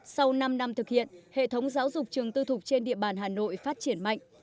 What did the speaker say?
sau năm năm thực hiện hệ thống giáo dục trường tư thục trên địa bàn hà nội phát triển mạnh